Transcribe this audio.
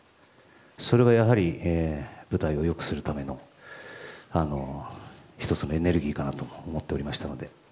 それがやはり舞台をよくするための１つのエネルギーかなとも思っておりましたので。